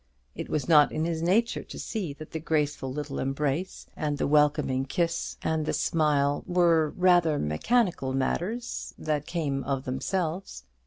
It was not in his nature to see that the graceful little embrace, and the welcoming kiss, and the smile, were rather mechanical matters that came of themselves.